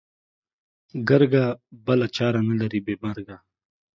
گرگه! بله چاره نه لري بې مرگه.